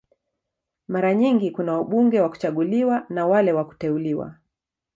Mara nyingi kuna wabunge wa kuchaguliwa na wale wa kuteuliwa.